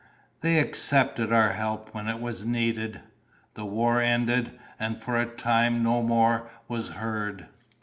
They accepted our help when it was needed. The war ended and for a time no more was heard.